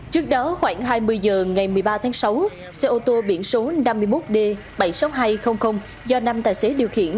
trước đó khoảng hai mươi h ngày một mươi ba tháng sáu xe ô tô biển số năm mươi một d bảy mươi sáu nghìn hai trăm linh do năm tài xế điều khiển